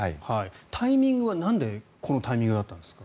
タイミングは、なんでこのタイミングだったんですか？